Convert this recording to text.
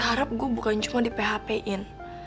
harap gue bukan cuma di php in